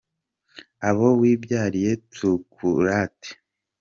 Abo wibyariye tukurate